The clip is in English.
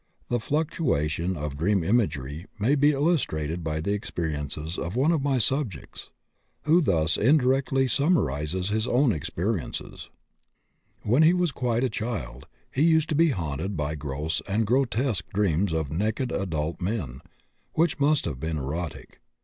The fluctuations of dream imagery may be illustrated by the experiences of one of my subjects who thus indirectly summarises his own experiences: "When he was quite a child, he used to be haunted by gross and grotesque dreams of naked adult men, which must have been erotic.